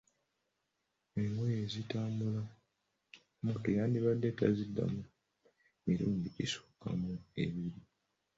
Engoye ezitambula, omuntu yandibadde taziddamu mirundi gisukka mu ebiri.